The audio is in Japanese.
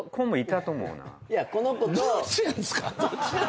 どっちなんすか？